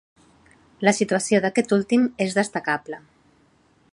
La situació d’aquest últim és destacable.